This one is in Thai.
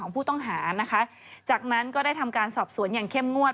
ผู้ต้องหานะคะจากนั้นก็ได้ทำการสอบสวนอย่างเข้มงวด